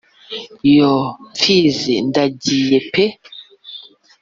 yo Mpfizi ndagiye pe